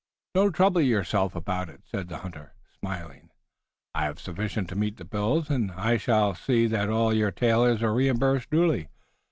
"Don't trouble yourself about it," said the hunter, smiling, "I have sufficient to meet the bills, and I shall see that all your tailors are reimbursed duly.